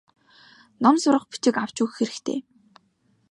Ном сурах бичиг авч өгөх хэрэгтэй.